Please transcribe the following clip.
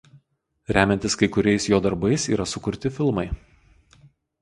Remiantis kai kuriais jo darbais yra sukurti filmai.